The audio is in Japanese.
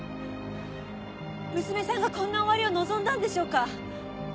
娘さんがこんな終わりを望んだんでしょうか？